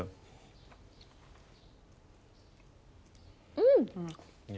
うん！